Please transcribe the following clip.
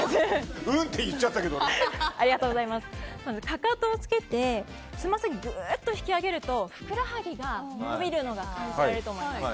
かかとをつけて、つま先をぐっと引き上げるとふくらはぎが伸びるのが感じられると思います。